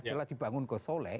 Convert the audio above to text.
setelah dibangun gus soleh